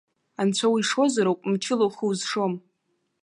Анцәа уишозароуп, мчыла ухы узшом.